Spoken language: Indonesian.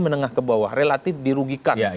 menengah ke bawah relatif dirugikan